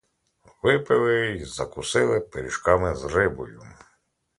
Випили й закусили пиріжками з рибою.